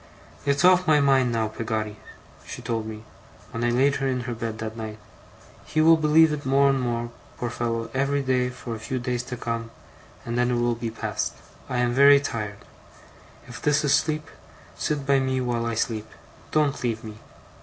'"It's off my mind now, Peggotty," she told me, when I laid her in her bed that night. "He will believe it more and more, poor fellow, every day for a few days to come; and then it will be past. I am very tired. If this is sleep, sit by me while I sleep: don't leave me.